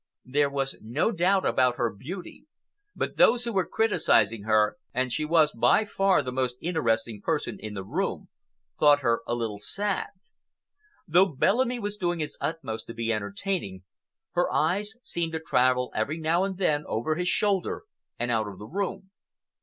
There was no doubt about her beauty, but those who were criticising her—and she was by far the most interesting person in the room—thought her a little sad. Though Bellamy was doing his utmost to be entertaining, her eyes seemed to travel every now and then over his head and out of the room.